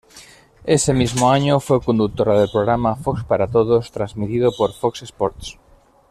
Ese mismo año fue conductora del programa "Fox para todos" transmitido por Fox Sports.